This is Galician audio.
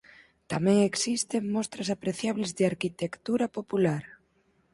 Tamén existen mostras apreciables de arquitectura popular.